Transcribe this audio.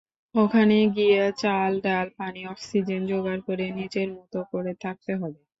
ওখানে গিয়ে চাল-ডাল, পানি-অক্সিজেন জোগাড় করে নিজের মতো করে থাকতে হবে।